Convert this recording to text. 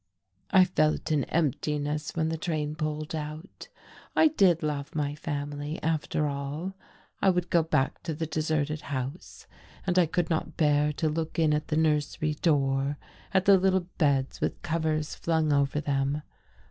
I felt an emptiness when the train pulled out. I did love my family, after all! I would go back to the deserted house, and I could not bear to look in at the nursery door, at the little beds with covers flung over them.